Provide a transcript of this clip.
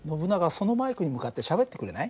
そのマイクに向かってしゃべってくれない？